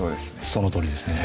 そのとおりですね